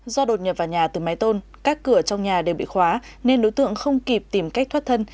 do đột nhập vào nhà từ mái tôn các cửa trong nhà đều bị khóa nên đối tượng không kịp tìm cách thoát thân